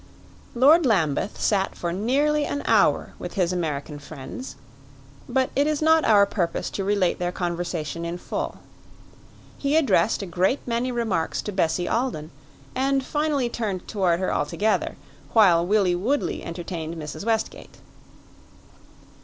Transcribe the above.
Lord Lambeth sat for nearly an hour with his American friends; but it is not our purpose to relate their conversation in full. He addressed a great many remarks to Bessie Alden, and finally turned toward her altogether, while Willie Woodley entertained Mrs. Westgate.